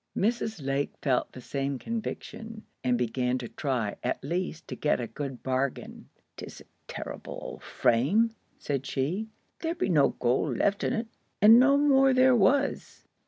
Mrs. Lake felt the same conviction, and began to try at least to get a good bargain. "'Tis a terr'ble old frame," said she. "There be no gold left on't." And no more there was.